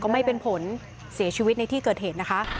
ไม่เป็นผลเสียชีวิตในที่เกิดเหตุนะคะ